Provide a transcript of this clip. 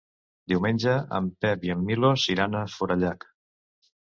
Diumenge en Pep i en Milos iran a Forallac.